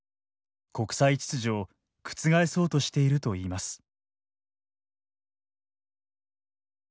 国際秩序を覆そうとしていると言います。